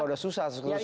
sekarang juga sudah susah